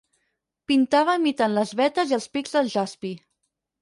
Pintava imitant les vetes i els pics del jaspi.